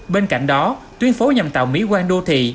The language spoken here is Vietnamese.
bên cạnh đó tuyến phố nhằm tạo mỹ quan đô thị